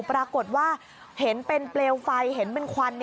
ปรากฏว่าเห็นเป็นเปลวไฟเห็นเป็นควัน